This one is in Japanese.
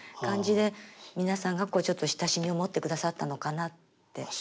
感じで皆さんがちょっと親しみを持ってくださったのかなって。